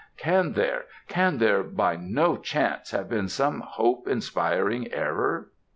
Can there can there by no chance have been some hope inspiring error?"